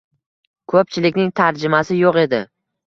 Ko'pchilikning tarjimasi yo'q edi